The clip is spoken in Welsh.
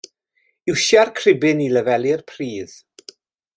Iwsia'r cribin i lefelu'r pridd.